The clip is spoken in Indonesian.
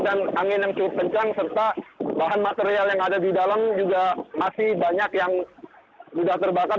dan angin yang cukup kencang serta bahan material yang ada di dalam juga masih banyak yang sudah terbakar